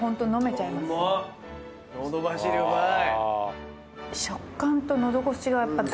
のどばしりうまい！